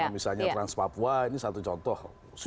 misalnya trans papua ini satu contoh